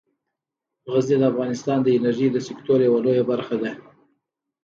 غزني د افغانستان د انرژۍ د سکتور یوه لویه برخه ده.